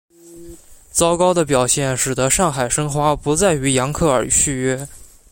糟糕的表现使得上海申花不再与扬克尔续约。